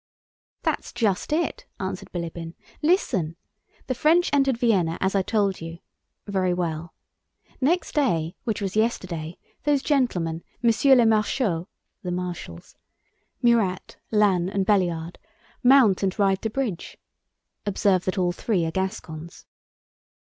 "That's just it," answered Bilíbin. "Listen! The French entered Vienna as I told you. Very well. Next day, which was yesterday, those gentlemen, messieurs les maréchaux, * Murat, Lannes, and Belliard, mount and ride to the bridge. (Observe that all three are Gascons.)